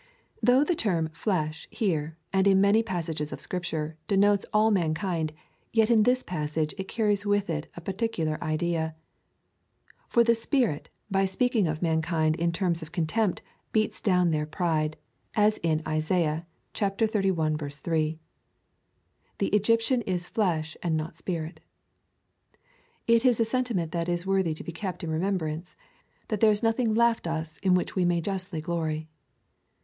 Though the term flesh here, and in many passages of Scripture, denotes all man kind, yet in this passage it carries with it a particular idea ; for the Spirit, by speaking of mankind in terms of contempt, beats down their pride, as in Isaiah xxxi. 3 — The Egyptian is flesh and not spirit. It is a sentiment that is worthy to be kept in remembrance — that there is nothing left us in which we may justly glory.